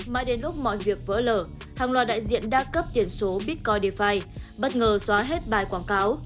mãi đến lúc mọi việc vỡ lở hàng loạt đại diện đa cấp tiền số bitcoin defi bất ngờ xóa hết bài quảng cáo